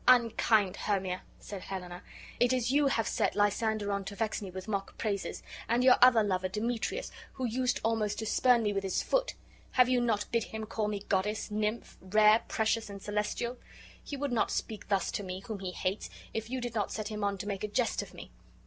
"Unkind. Hermia," said Helena, "it is you have set Lysander on to vex me with mock praises; and your other lover, Demetrius, who used almost to spurn me with his foot, have you not bid him call me goddess, nymph, rare, precious, and celestial? He would not speak thus to me, whom he hates, if you did not set him on to make a jest of me.